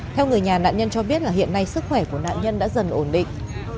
theo người nhà nạn nhân cho biết là hiện nay sức khỏe của nạn nhân đã dần ổn định